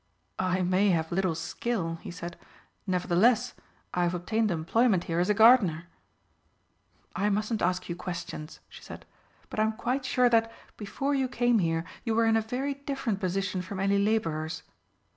"I may have little skill," he said, "nevertheless, I have obtained employment here as a gardener." "I mustn't ask you questions," she said, "but I'm quite sure that, before you came here, you were in a very different position from any labourer's."